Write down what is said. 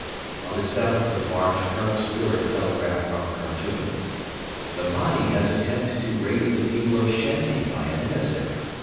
On the 7th of March Colonel Stewart telegraphed from Khartoum: 'The Mahdi has attempted to raise the people of Shendi by an emissary....